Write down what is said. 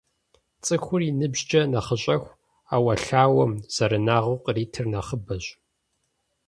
ЦӀыхур и ныбжькӀэ нэхъыщӀэху, Ӏэуэлъауэм зэраныгъэу къритыр нэхъыбэщ.